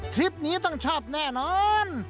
คลิปนี้ต้องชอบแน่นอน